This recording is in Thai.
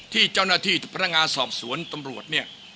ที่เจ้าหน้าที่พระงาสอบสวนตำรวจ